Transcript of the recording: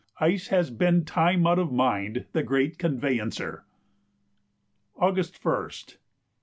Ice has been time out of mind the great "conveyancer." August 1st.